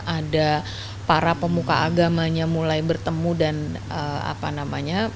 ada para pemuka agamanya mulai bertemu dan apa namanya